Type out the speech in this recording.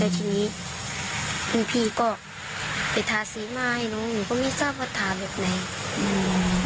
แล้วทีนี้พี่ก็ไปทาสีไม้น้องก็ไม่ทราบว่าทาหลักไหนอืม